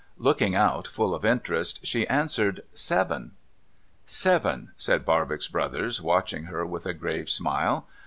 Looking out, full of interest, she answered, ' Seven.' ' Seven,' said Barbox Brothers, watching her with a grave smile.